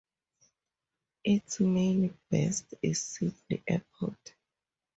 Its main base is Sydney Airport.